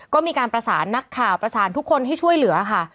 ก็มีการประสานนักข่าวประสานทุกคนให้ช่วยเหลือค่ะ